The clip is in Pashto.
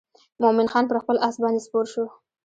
مومن خان پر خپل آس باندې سپور شو.